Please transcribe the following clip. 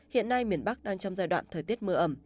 hiện nay miền bắc đang trong giai đoạn thời tiết mưa ẩm